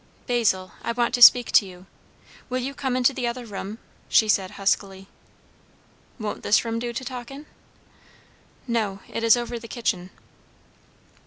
"Basil I want to speak to you will you come into the other room?" she said huskily. "Won't this room do to talk in?" "No. It is over the kitchen."